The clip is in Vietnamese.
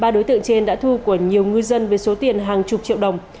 tiền đã thu của nhiều ngư dân với số tiền hàng chục triệu đồng